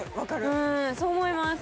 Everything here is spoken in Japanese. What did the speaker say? うんそう思います。